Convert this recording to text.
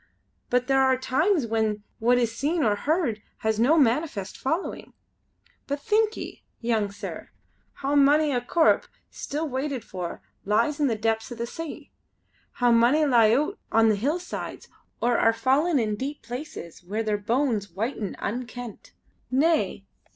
but there are times when what is seen or heard has no manifest following. But think ye, young sir, how mony a corp, still waited for, lies in the depths o' the sea; how mony lie oot on the hillsides, or are fallen in deep places where their bones whiten unkent. Nay!